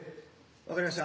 分かりました。